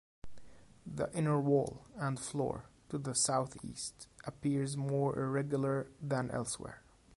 The inner wall and floor to the southeast appears more irregular than elsewhere.